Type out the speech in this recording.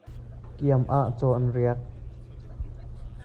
Kiam ah caw an riak.